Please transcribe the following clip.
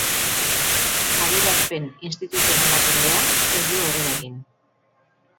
Adierazpen instituzionalak, ordea, ez du aurrera egin.